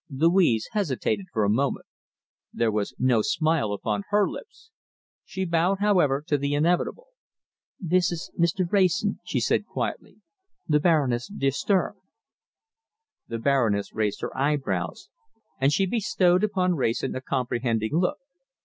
Louise hesitated for a moment. There was no smile upon her lips. She bowed, however, to the inevitable. "This is Mr. Wrayson," she said quietly; "the Baroness de Sturm." The Baroness raised her eyebrows, and she bestowed upon Wrayson a comprehending look.